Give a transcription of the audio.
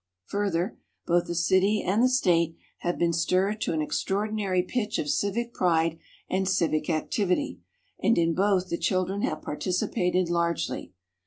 Further, both the city and the State have been stirred to an extraordinary pitch of civic pride and civic activity and in both the children have participated largely.